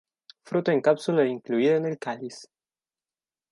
Fruto en cápsula incluida en el cáliz.